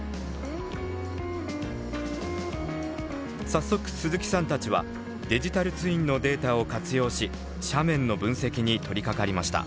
早速鈴木さんたちはデジタルツインのデータを活用し斜面の分析に取りかかりました。